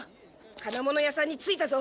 金物屋さんに着いたぞ！